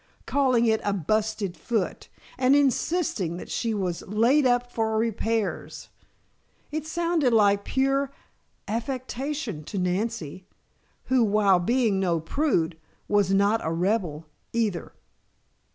Calling it a "busted foot" and insisting that she was "laid up for repairs" it sounded like pure affectation to Nancy, who, while being no prude, was not a rebel, either.